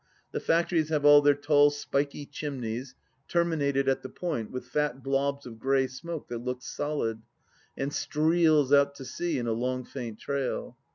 The factories have all their tall spiky chimneys, terminated at the point with fat blobs of grey smoke that looks solid, and streels out to sea in a long, faint trail.